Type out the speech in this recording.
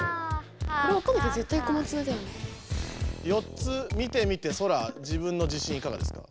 ４つ見てみてソラ自分の自信いかがですか？